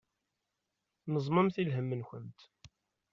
Neẓmemt i lhem-nkent.